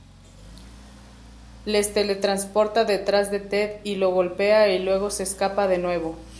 Les "teletransporta" detrás de Ted y lo golpea y luego se escapa de nuevo.